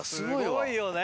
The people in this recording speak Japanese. すごいよね。